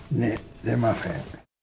出ません。